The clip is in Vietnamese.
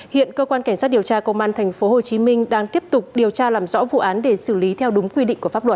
hiện cơ quan cảnh sát điều tra công an tp hcm đang tiếp tục điều tra làm rõ vụ án để xử lý theo đúng quy định của pháp luật